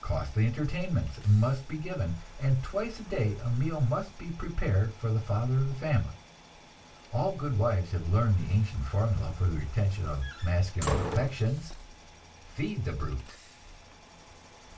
Costly entertainments must be given, and twice a day a meal must be prepared for the father of the family all good wives have learned the ancient formula for the retention of masculine affections: "Feed the brute!"